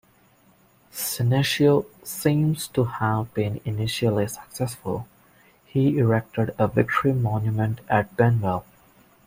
Senecio seems to have been initially successful; he erected a victory monument at Benwell.